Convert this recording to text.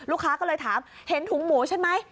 ลูกค้าก็เลยถามเห็นถุงหมูใช่ไหม